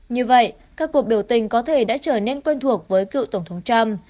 như vậy các cuộc biểu tình có thể đã trở nên quen thuộc với cựu tổng thống trump